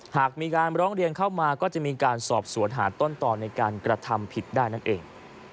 หากมีการร้องเรียนเข้ามาก็จะมีการสอบสวนหาต้นตอนในการกระทำผิดได้นั่นเอง